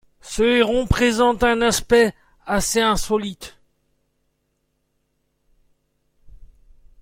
Ce héron présente un aspect assez insolite.